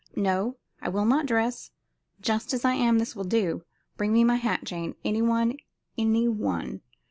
No; I will not dress; just as I am; this will do. Bring me a hat, Jane; any one, any one."